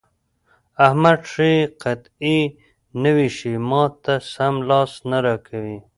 احمد ښې قطعې نه وېشي؛ ما ته سم لاس نه راکوي.